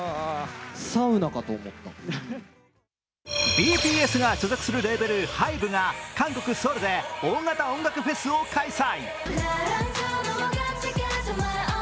ＢＴＳが所属するレーベル・ＨＹＢＥが韓国で大型音楽フェスを開催。